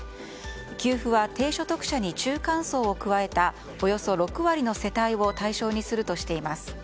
給付は低所得者に中間層を加えたおよそ６割の世帯を対象にするとしています。